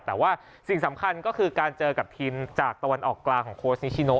แต่ว่าสิ่งสำคัญก็คือการเจอกับทีมจากตะวันออกกลางของโค้ชนิชิโน